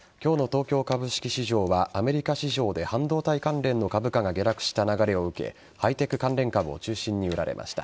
今日の東京株式市場はアメリカ市場で半導体関連の株価が下落した流れを受けハイテク関連株を中心に売られました。